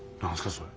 それ。